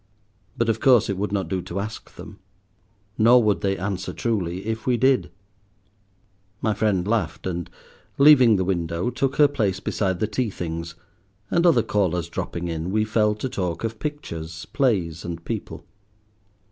But of course it would not do to ask them. Nor would they answer truly if we did." My friend laughed, and, leaving the window, took her place beside the tea things, and other callers dropping in, we fell to talk of pictures, plays, and people.